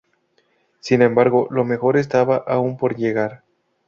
Sin embargo, lo mejor estaba aún por llegar.